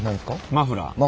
マフラー？